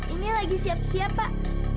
ini lagi siap siap pak